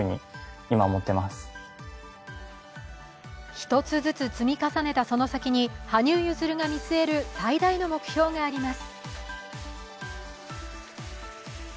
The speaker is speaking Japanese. １つずつ積み重ねたその先に羽生結弦が見据える最大の目標があります。